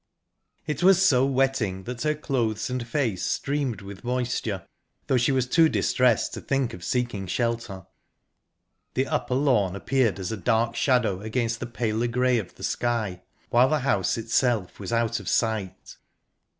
It was so wetting that her clothes and face streamed with moisture, though she was too distressed to think of seeking shelter. The upper lawn appeared as a dark shadow against the paler grey of the sky, while the house itself was out of sight.